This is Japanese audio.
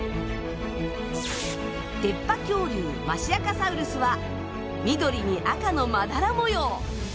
出っ歯恐竜マシアカサウルスは緑に赤のまだら模様。